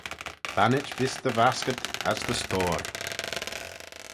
Bannit vees dty vaskad, as dty stoyr.